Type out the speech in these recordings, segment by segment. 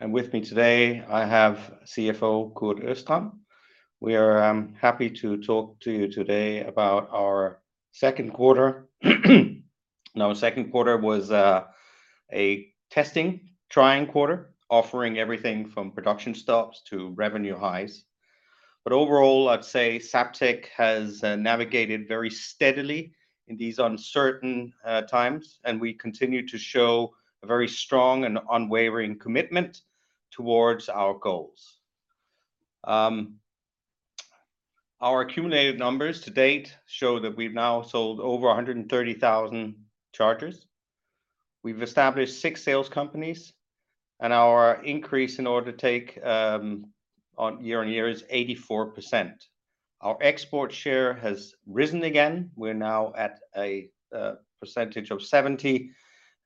With me today I have CFO Kurt Østrem. We are happy to talk to you today about our second quarter. Our second quarter was a testing, trying quarter, offering everything from production stops to revenue highs. Overall, I'd say Zaptec has navigated very steadily in these uncertain times, and we continue to show a very strong and unwavering commitment towards our goals. Our cumulative numbers to date show that we've now sold over 130,000 chargers. We've established six sales companies, and our increase in order intake year-on-year is 84%. Our export share has risen again. We're now at a percentage of 70%,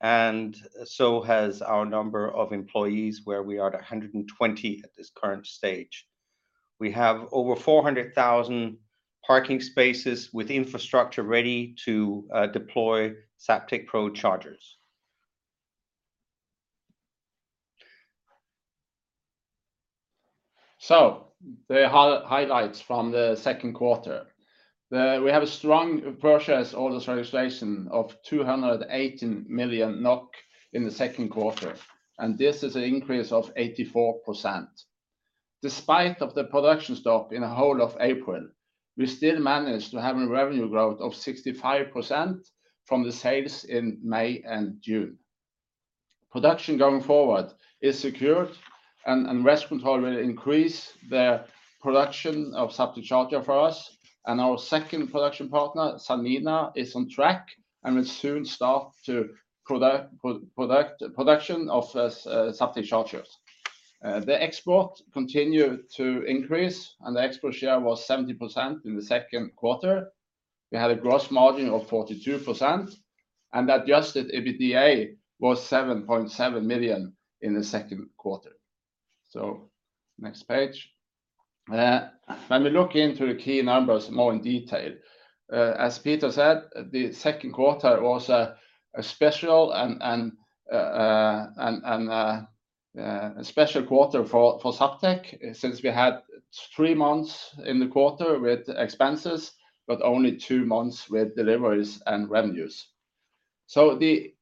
and so has our number of employees, where we are at 120 at this current stage. We have over 400,000 parking spaces with infrastructure ready to deploy Zaptec Pro chargers. Highlights from the second quarter. We have a strong purchase orders registration of 280 million NOK in the second quarter, and this is an increase of 84%. Despite the production stop in the whole of April, we still managed to have a revenue growth of 65% from the sales in May and June. Production going forward is secured and Westcontrol will increase their production of Zaptec chargers for us, and our second production partner, Sanmina, is on track and will soon start production of Zaptec chargers. The export continued to increase and the export share was 70% in the second quarter. We had a gross margin of 42% and adjusted EBITDA was 7.7 million in the second quarter. Next page. When we look into the key numbers more in detail, as Peter said, the second quarter was a special quarter for Zaptec since we had three months in the quarter with expenses but only two months with deliveries and revenues. The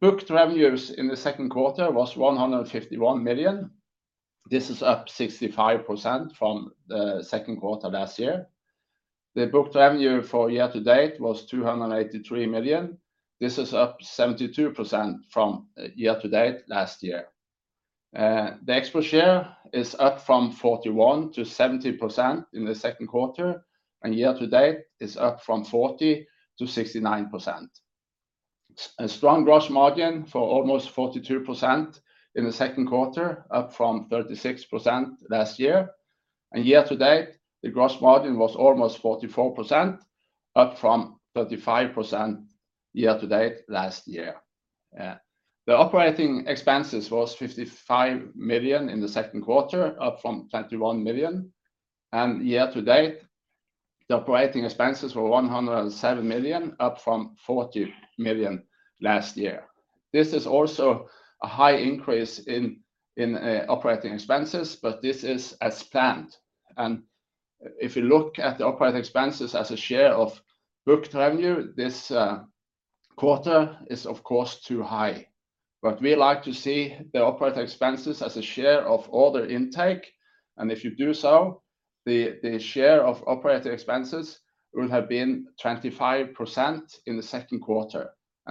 booked revenues in the second quarter was 151 million. This is up 65% from the second quarter last year. The booked revenue for year to date was 283 million. This is up 72% from year to date last year. The export share is up from 41%-70% in the second quarter. Year to date is up from 40%-69%. A strong gross margin for almost 42% in the second quarter, up from 36% last year. Year to date, the gross margin was almost 44%, up from 35% year to date last year. The operating expenses was 55 million in the second quarter, up from 21 million. Year to date, the operating expenses were 107 million, up from 40 million last year. This is also a high increase in operating expenses, but this is as planned. If you look at the operating expenses as a share of booked revenue this quarter is of course too high. We like to see the operating expenses as a share of order intake. If you do so, the share of operating expenses would have been 25% in the second quarter.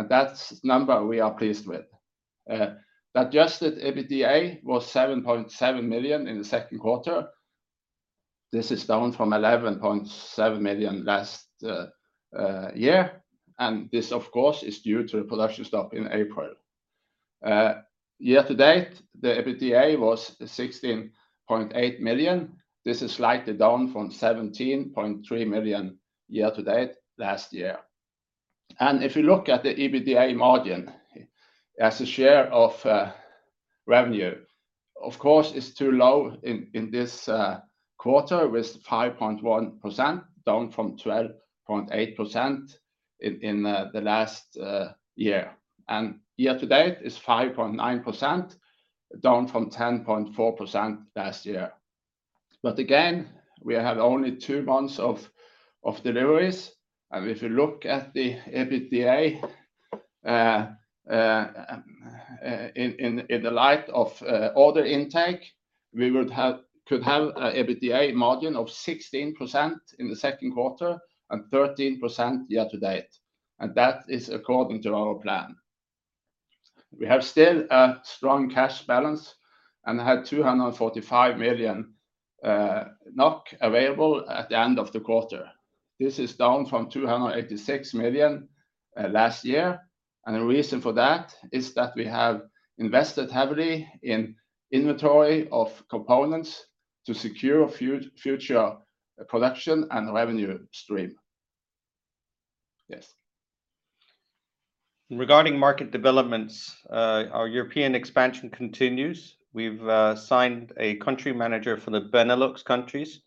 That's number we are pleased with. The adjusted EBITDA was 7.7 million in the second quarter. This is down from 11.7 million last year, and this of course is due to the production stop in April. Year to date, the EBITDA was 16.8 million. This is slightly down from 17.3 million year to date last year. If you look at the EBITDA margin as a share of revenue, of course it's too low in this quarter with 5.1%, down from 12.8% in the last year. Year to date is 5.9%, down from 10.4% last year. Again, we had only two months of deliveries. If you look at the EBITDA, in the light of order intake, we could have EBITDA margin of 16% in the second quarter and 13% year to date. That is according to our plan. We still have a strong cash balance and had 245 million NOK available at the end of the quarter. This is down from 286 million last year, and the reason for that is that we have invested heavily in inventory of components to secure a future production and revenue stream. Regarding market developments, our European expansion continues. We've signed a country manager for the Benelux countries.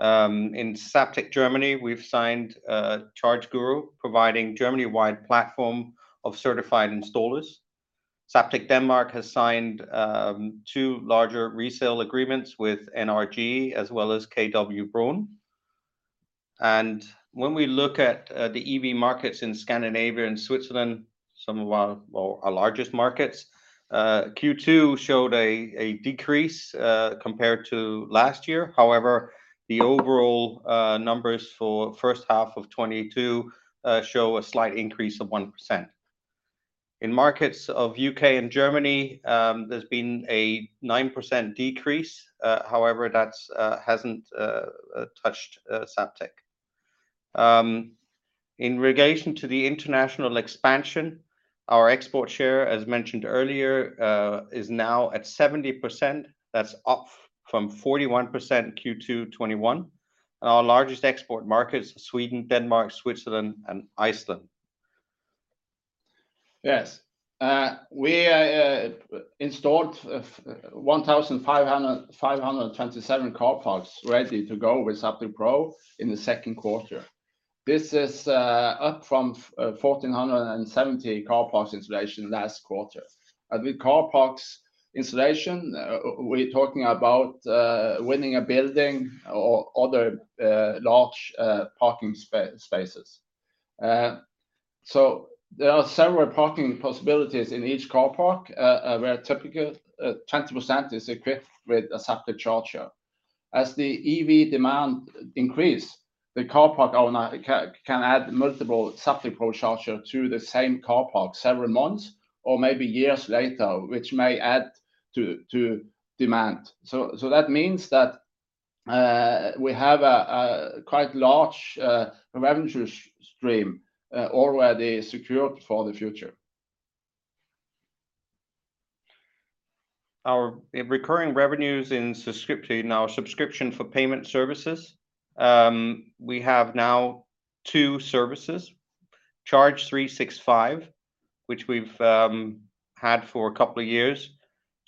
In Zaptec Deutschland, we've signed ChargeGuru providing Germany-wide platform of certified installers. Zaptec Denmark has signed two larger resale agreements with NRGi as well as K.W. Bruun. When we look at the EV markets in Scandinavia and Switzerland, some of our largest markets, Q2 showed a decrease compared to last year. However, the overall numbers for first half of 2022 show a slight increase of 1%. In markets of UK and Germany, there's been a 9% decrease, however, that hasn't touched Zaptec. In relation to the international expansion, our export share, as mentioned earlier, is now at 70%. That's up from 41% Q2 2021. Our largest export markets are Sweden, Denmark, Switzerland and Iceland. Yes. We installed 1,527 car parks ready to go with Zaptec Pro in the second quarter. This is up from 1,470 car parks installation last quarter. With car parks installation, we're talking about winning a building or other large parking spaces. There are several parking possibilities in each car park where typically 20% is equipped with a Zaptec charger. As the EV demand increase, the car park owner can add multiple Zaptec Pro charger to the same car park several months or maybe years later, which may add to demand. That means that we have a quite large revenue stream already secured for the future. Our recurring revenues in our subscription for payment services, we have now two services. Charge365, which we've had for a couple of years,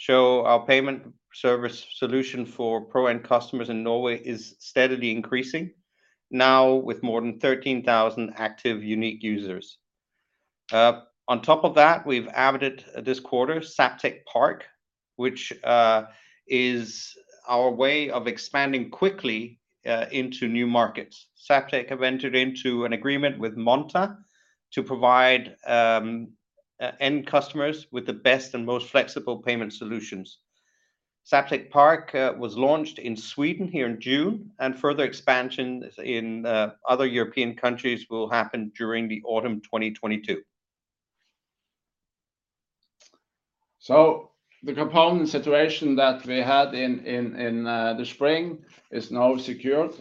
is our payment service solution for Pro-end customers in Norway is steadily increasing, now with more than 13,000 active unique users. On top of that, we've added this quarter Zaptec Park, which is our way of expanding quickly into new markets. Zaptec have entered into an agreement with Monta to provide end customers with the best and most flexible payment solutions. Zaptec Park was launched in Sweden in June, and further expansion in other European countries will happen during the autumn 2022. The component situation that we had in the spring is now secured.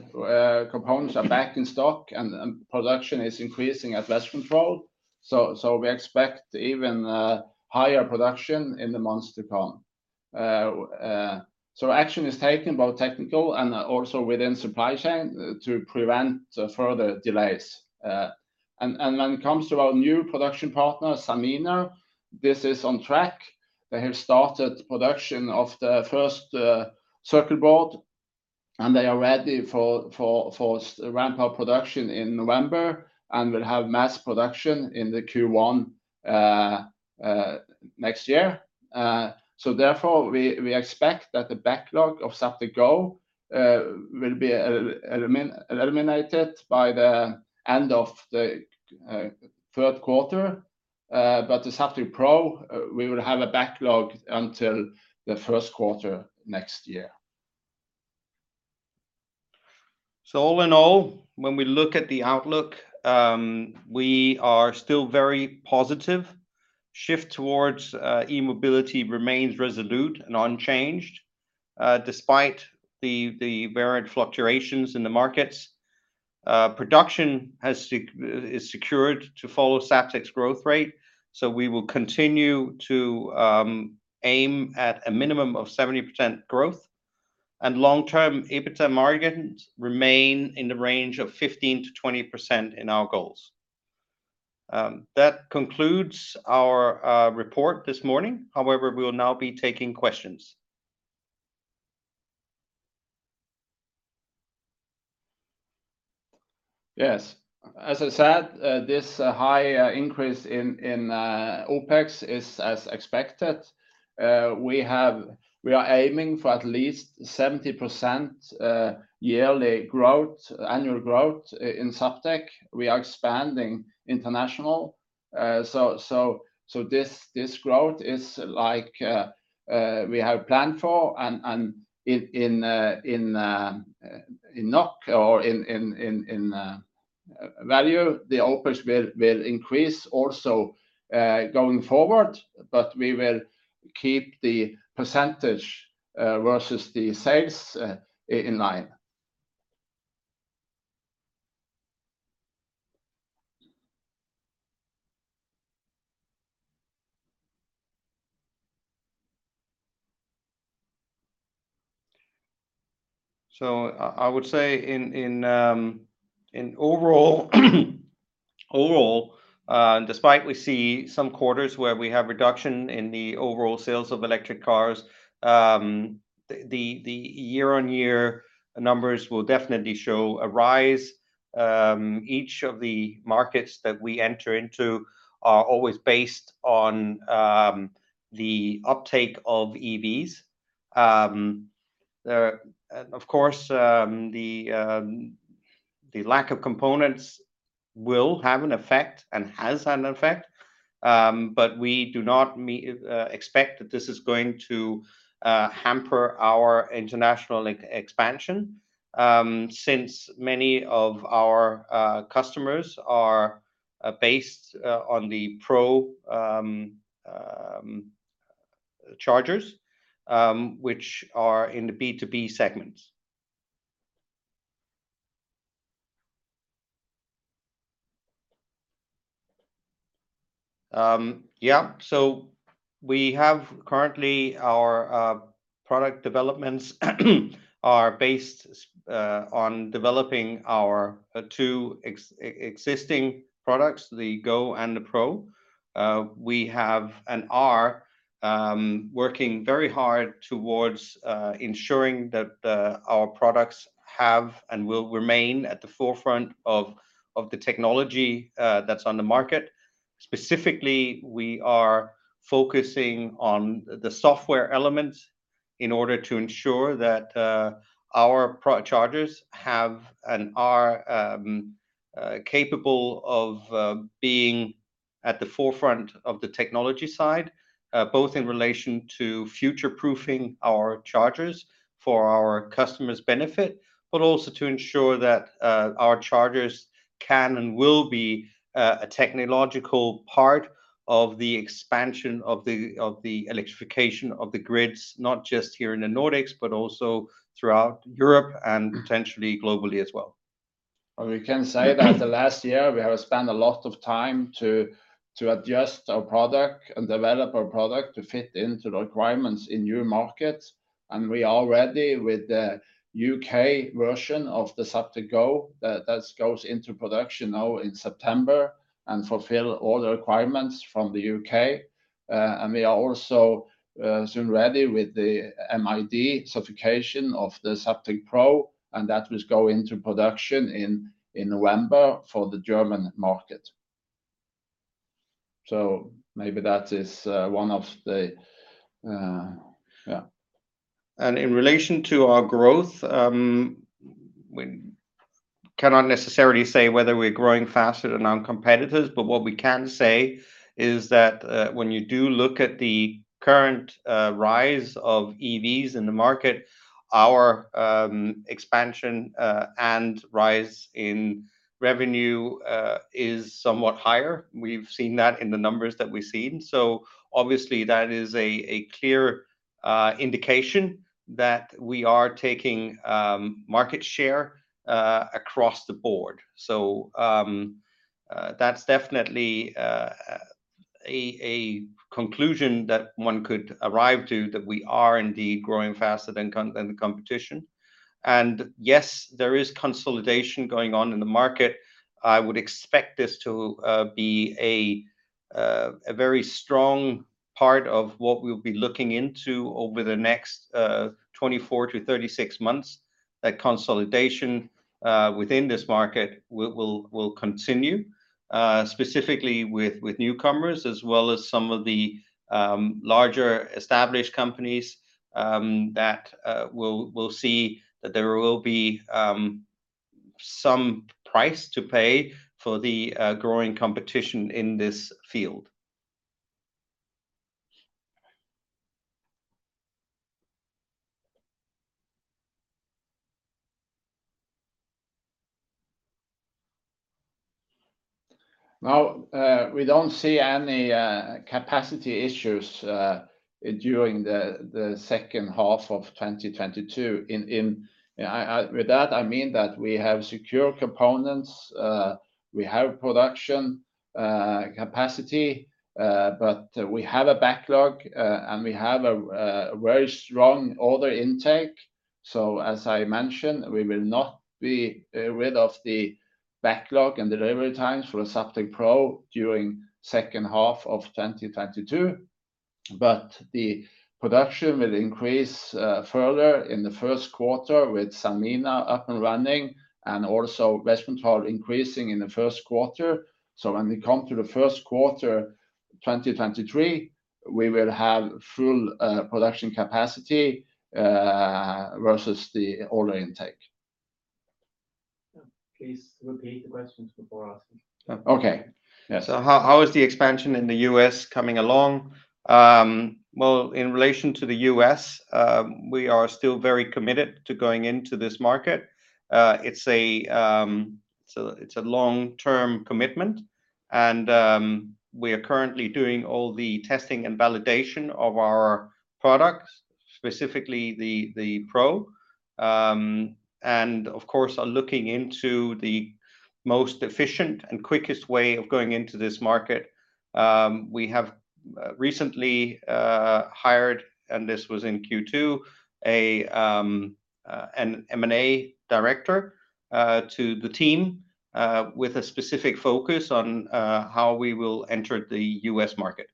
Components are back in stock and production is increasing at Westcontrol. We expect even higher production in the months to come. Action is taken both technically and also within supply chain to prevent further delays. When it comes to our new production partner, Sanmina, this is on track. They have started production of the first circuit board, and they are ready for ramp up production in November and will have mass production in the Q1 next year. We expect that the backlog of Zaptec Go will be eliminated by the end of the third quarter. The Zaptec Pro, we will have a backlog until the first quarter next year. All in all, when we look at the outlook, we are still very positive. Shift towards e-mobility remains resolute and unchanged, despite the varied fluctuations in the markets. Production is secured to follow Zaptec's growth rate, so we will continue to aim at a minimum of 70% growth. Long-term EBITDA margins remain in the range of 15%-20% in our goals. That concludes our report this morning. However, we will now be taking questions. Yes. As I said, this high increase in OPEX is as expected. We are aiming for at least 70% yearly growth, annual growth in Zaptec. We are expanding internationally. This growth is like we have planned for and in NOK or in value, the OPEX will increase also going forward. We will keep the percentage versus the sales in line. I would say overall, despite we see some quarters where we have reduction in the overall sales of electric cars, the year-on-year numbers will definitely show a rise. Each of the markets that we enter into are always based on the uptake of EVs. And of course, the lack of components will have an effect and has had an effect. But we do not expect that this is going to hamper our international like expansion, since many of our customers are based on the Pro chargers, which are in the B2B segments. We have currently our product developments are based on developing our two existing products, the Go and the Pro. We have and are working very hard towards ensuring that our products have and will remain at the forefront of the technology that's on the market. Specifically, we are focusing on the software elements in order to ensure that our chargers have and are capable of being at the forefront of the technology side, both in relation to future-proofing our chargers for our customers' benefit, but also to ensure that our chargers can and will be a technological part of the expansion of the electrification of the grids, not just here in the Nordics, but also throughout Europe and potentially globally as well. We can say that the last year we have spent a lot of time to adjust our product and develop our product to fit into the requirements in new markets. We are ready with the UK version of the Zaptec Go that goes into production now in September and fulfill all the requirements from the U.K. We are also soon ready with the MID certification of the Zaptec Pro, and that will go into production in November for the German market. Maybe that is one of the. In relation to our growth, we cannot necessarily say whether we're growing faster than our competitors, but what we can say is that, when you do look at the current rise of EVs in the market, our expansion and rise in revenue is somewhat higher. We've seen that in the numbers that we've seen. Obviously that is a clear indication that we are taking market share across the board. That's definitely a conclusion that one could arrive to that we are indeed growing faster than the competition. Yes, there is consolidation going on in the market. I would expect this to be a very strong part of what we'll be looking into over the next 24-36 months. That consolidation within this market will continue specifically with newcomers as well as some of the larger established companies that we'll see that there will be some price to pay for the growing competition in this field. Now, we don't see any capacity issues during the second half of 2022. With that, I mean that we have secure components, we have production capacity, but we have a backlog, and we have a very strong order intake. As I mentioned, we will not be rid of the backlog and delivery times for Zaptec Pro during second half of 2022. The production will increase further in the first quarter with Sanmina up and running and also Westcontrol are increasing in the first quarter. When we come to the first quarter 2023, we will have full production capacity versus the order intake. Please repeat the questions before asking. Okay. Yeah. How is the expansion in the U.S. coming along? Well, in relation to the U.S., we are still very committed to going into this market. It's a long-term commitment, and we are currently doing all the testing and validation of our products, specifically the Pro, and of course are looking into the most efficient and quickest way of going into this market. We have recently hired, and this was in Q2, an M&A director to the team with a specific focus on how we will enter the U.S. market.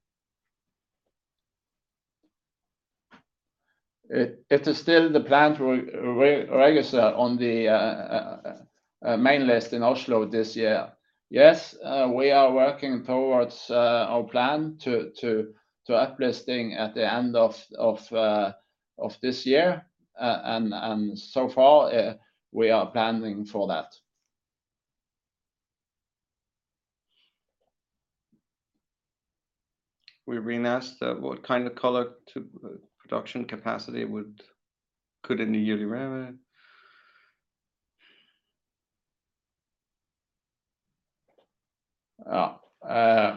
It is still the plan to re-register on the main list in Oslo this year. Yes, we are working towards our plan to uplisting at the end of this year. So far, we are planning for that. We're asked what kind of contribution to production capacity could in the yearly revenue? We're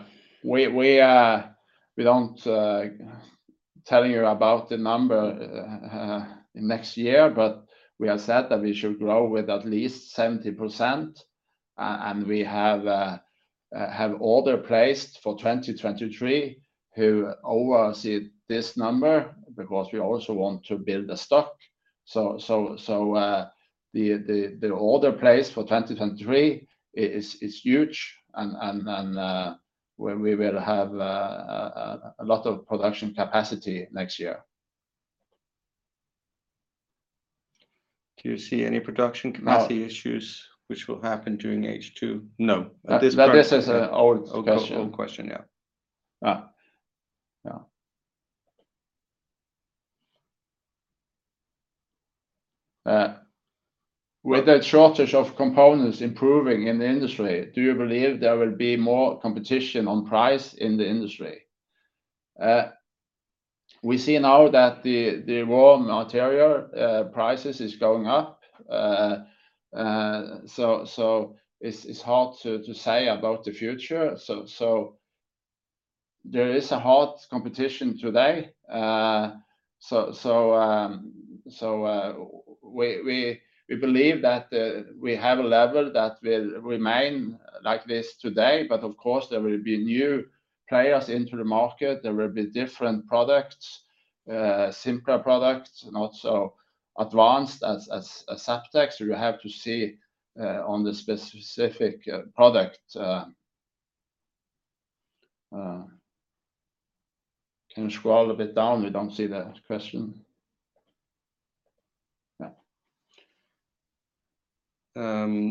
not telling you about the number next year, but we have said that we should grow with at least 70%. We have orders placed for 2023 which exceed this number because we also want to build a stock. The orders placed for 2023 are huge. When we will have a lot of production capacity next year. Do you see any production capacity? No issues which will happen during H2? No. At this point. This is an old question. Okay. Old question, yeah. Yeah. With that shortage of components improving in the industry, do you believe there will be more competition on price in the industry? We see now that the raw material prices is going up. It's hard to say about the future. There is a hot competition today. We believe that we have a level that will remain like this today, but of course there will be new players into the market. There will be different products, simpler products, not so advanced as Zaptec. You have to see on the specific product. Can you scroll a bit down? We don't see that question. Yeah.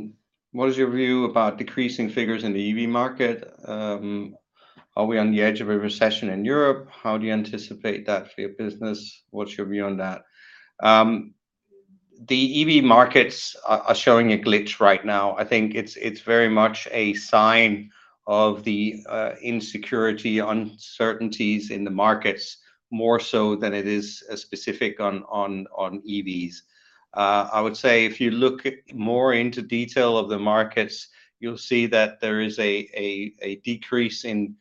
What is your view about decreasing figures in the EV market? Are we on the edge of a recession in Europe? How do you anticipate that for your business? What's your view on that? The EV markets are showing a glitch right now. I think it's very much a sign of the insecurity, uncertainties in the markets more so than it is a specific on EVs. I would say if you look more into detail of the markets, you'll see that there is a decrease in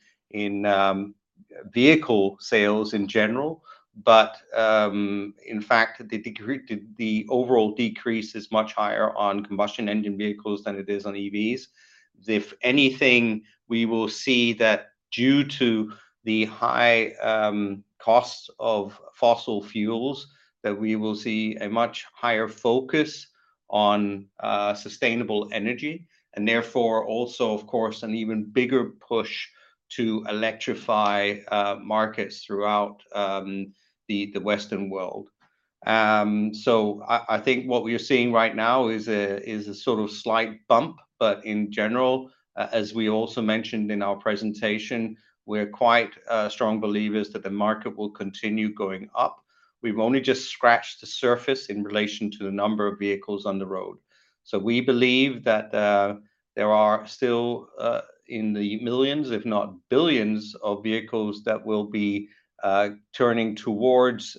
vehicle sales in general. In fact, the overall decrease is much higher on combustion engine vehicles than it is on EVs. If anything, we will see that due to the high costs of fossil fuels, that we will see a much higher focus on sustainable energy and therefore also, of course, an even bigger push to electrify markets throughout the Western world. I think what we are seeing right now is a sort of slight bump. In general, as we also mentioned in our presentation, we're quite strong believers that the market will continue going up. We've only just scratched the surface in relation to the number of vehicles on the road. We believe that there are still in the millions, if not billions of vehicles that will be turning towards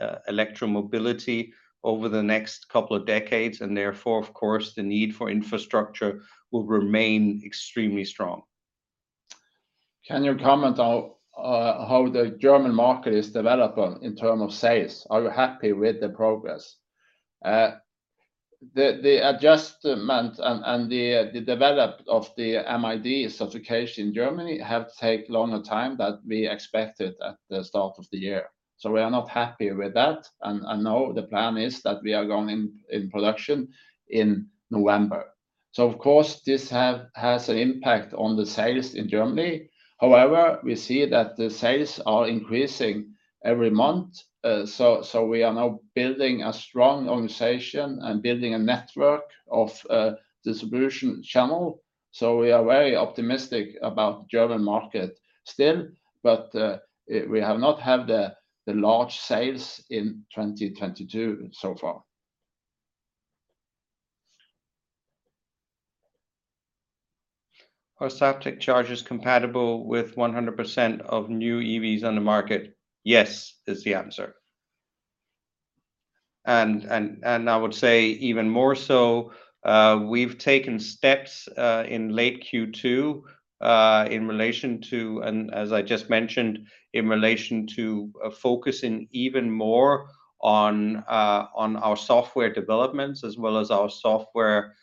electromobility over the next couple of decades. Therefore, of course, the need for infrastructure will remain extremely strong. Can you comment on, how the German market is developing in terms of sales? Are you happy with the progress? The adjustment and the development of the MID certification in Germany has taken longer time than we expected at the start of the year. We are not happy with that. Now the plan is that we are going in production in November. Of course this has an impact on the sales in Germany. However, we see that the sales are increasing every month. We are now building a strong organization and building a network of distribution channels. We are very optimistic about the German market still, but we have not had the large sales in 2022 so far. Are Zaptec chargers compatible with 100% of new EVs on the market? Yes, is the answer. I would say even more so. We've taken steps in late Q2 in relation to and as I just mentioned, in relation to focusing even more on our software developments as well as our software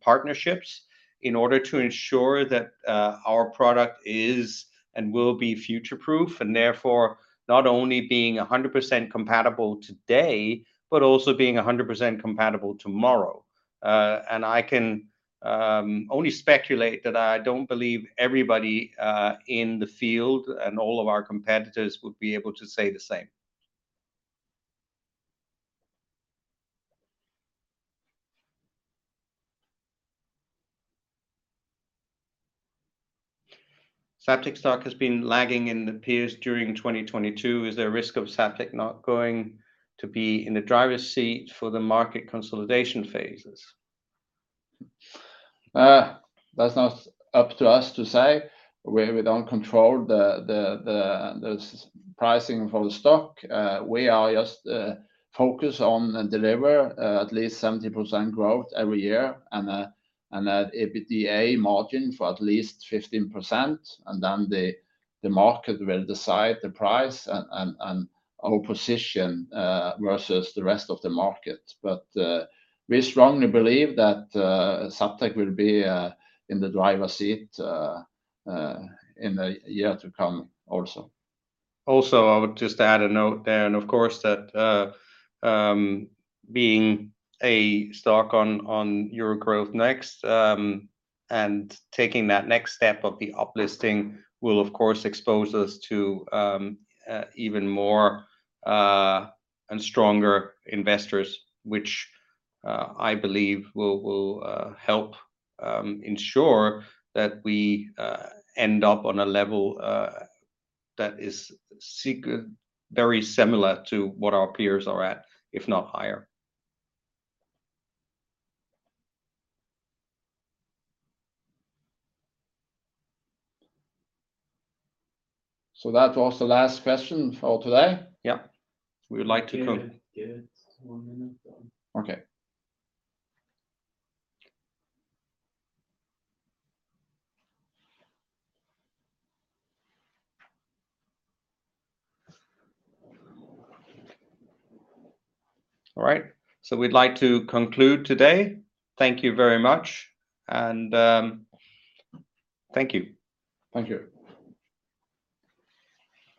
partnerships in order to ensure that our product is and will be future proof, and therefore not only being 100% compatible today, but also being 100% compatible tomorrow. I can only speculate that I don't believe everybody in the field and all of our competitors would be able to say the same. Zaptec stock has been lagging in the peers during 2022. Is there a risk of Zaptec not going to be in the driver's seat for the market consolidation phases? That's not up to us to say. We don't control the pricing for the stock. We are just focused on deliver at least 70% growth every year and an EBITDA margin for at least 15%. Then the market will decide the price and our position versus the rest of the market. We strongly believe that Zaptec will be in the driver's seat in the year to come also. I would just add a note there, and of course, being a stock on Euronext Growth, and taking that next step of the uplisting will of course expose us to even more and stronger investors which I believe will help ensure that we end up on a level that is very similar to what our peers are at, if not higher. That was the last question for today. Yeah. We would like to give one minute. Okay. All right. We'd like to conclude today. Thank you very much, and thank you. Thank you.